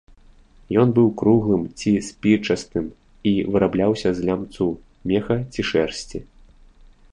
Ён быў круглым ці спічастым і вырабляўся з лямцу, меха ці шэрсці.